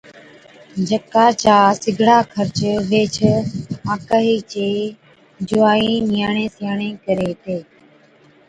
جڪا چا سِگڙا خرچ ويھِچ آڪھِي چي جُووائِي (نِياڻي سِياڻي) ڪري ھِتي